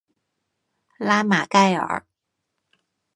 拉马盖尔。